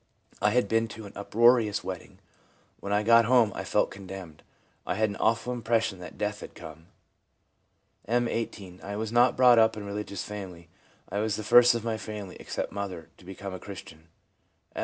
I had been to an uproarious wedding. When I got home I felt condemned. I had an awful impression that death had come/ M., 18. * I was not brought up in a religious family. I was the first of my family, except mother, to become a Christian/ F.